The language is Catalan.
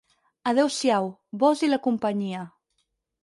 Adeu-siau, vós i la companyia.